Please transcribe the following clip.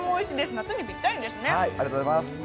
夏にぴったりですね。